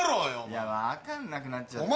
いや分かんなくなっちゃって。